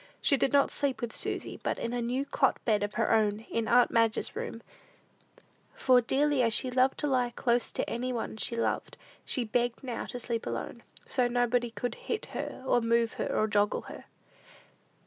She did not sleep with Susy, but in a new cot bed of her own, in aunt Madge's room; for, dearly as she loved to lie close to any one she loved, she begged now to sleep alone, "so nobody could hit her, or move her, or joggle her."